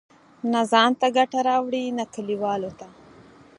نه ځان ته ګټه راوړي، نه کلیوالو ته.